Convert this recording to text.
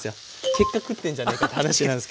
結果食ってんじゃねぇかって話なんですけどね。